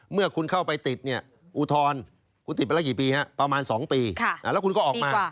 เมื่อคุณเข้าไปติดเนี่ยอุทธรณ์คุณติดไปแล้วกี่ปีฮะประมาณ๒ปีแล้วคุณก็ออกมา